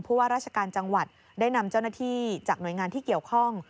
ว่าราชการจังหวัดได้นำเจ้าหน้าที่จากหน่วยงานที่เกี่ยวข้อง